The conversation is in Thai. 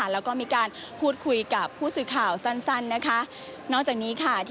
และก็มีการพูดคุยกับผู้สื่อข่าวสั้น